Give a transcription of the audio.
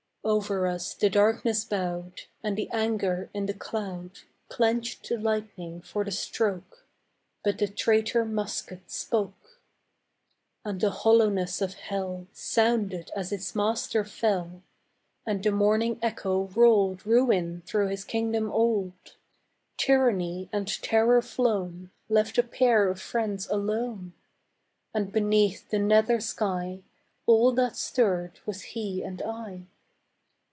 Over us the darkness bowed, And the anger in the cloud Clenched the lightning for the stroke; But the traitor musket spoke. And the hollowness of hell Sounded as its master fell, And the mourning echo rolled Ruin through his kingdom old. Tyranny and terror flown Left a pair of friends alone, And beneath the nether sky All that stirred was he and I.